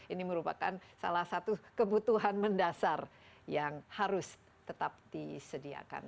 ini merupakan salah satu kebutuhan mendasar yang harus tetap disediakan